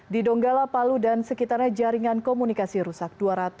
di donggala palu dan sekitarnya jaringan komunikasi rusak